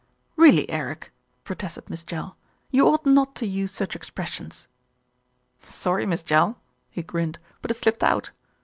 "Really, Eric," protested Miss Jell, "you ought not to use such expressions." "Sorry, Miss Jell," he grinned, "but it slipped out.